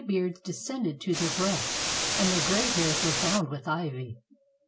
beards descended to their breasts, and their gray hairs were bound with i\y.